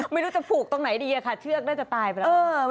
ไม่รู้จะผูกตรงไหนดีค่ะเชือกน่าจะตายไปแล้ว